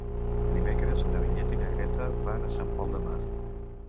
Dimecres na Vinyet i na Greta van a Sant Pol de Mar.